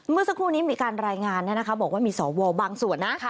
เมื่อสักครู่นี้มีการรายงานบอกว่ามีสวบางส่วนนะ